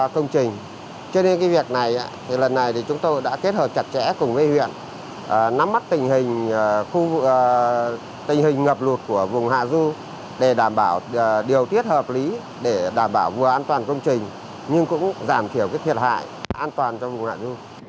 công trình nhưng cũng giảm thiểu thiệt hại an toàn trong vùng hạ du